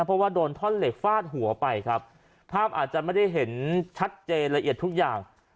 เพราะว่าโดนท่อนเหล็กฟาดหัวไปครับภาพอาจจะไม่ได้เห็นชัดเจนละเอียดทุกอย่าง